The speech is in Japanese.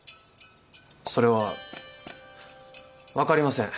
それは分かりません。